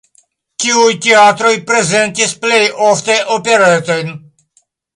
Tiuj teatroj prezentis plej ofte operetojn.